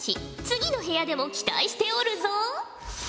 次の部屋でも期待しておるぞ。